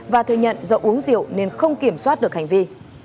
và thừa nhận do uống rượu nên không kiểm soát được hành vi